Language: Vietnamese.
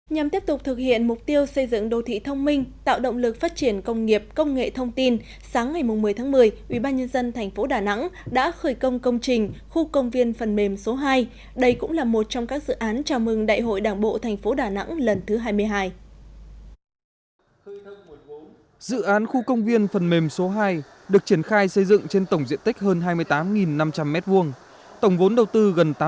nhằm tiếp tục thực hiện mục tiêu xây dựng đô thị thông minh tạo động lực phát triển công nghiệp công nghệ thông tin sáng ngày một mươi một mươi ubnd tp đà nẵng đã khởi công công trình khu công viên phần mềm số hai đây cũng là một trong các dự án chào mừng đại hội đảng bộ tp đà nẵng lần thứ hai mươi hai